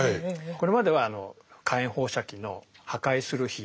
これまではあの火炎放射器の破壊する火。